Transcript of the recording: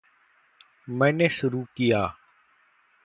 मैंने शुरू किया।